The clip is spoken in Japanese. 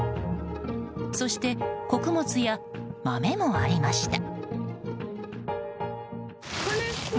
そして、穀物や豆もありました。